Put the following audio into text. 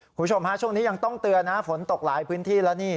คุณผู้ชมฮะช่วงนี้ยังต้องเตือนนะฝนตกหลายพื้นที่แล้วนี่